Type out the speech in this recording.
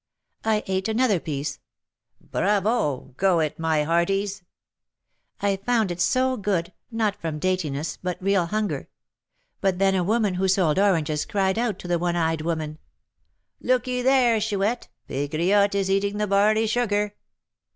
"I ate another piece " "Bravo! go it, my hearties!" "I found it so good, not from daintiness, but real hunger. But then a woman, who sold oranges, cried out to the one eyed woman, 'Look ye there, Chouette; Pegriotte is eating the barley sugar!'"